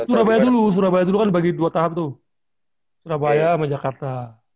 surabaya dulu surabaya itu kan dibagi dua tahap tuh surabaya sama jakarta